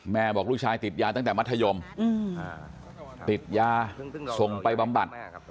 บอกลูกชายติดยาตั้งแต่มัธยมติดยาส่งไปบำบัด